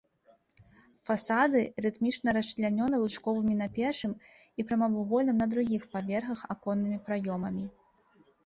Фасады рытмічна расчлянёны лучковымі на першым і прамавугольным на другім паверхах аконнымі праёмамі.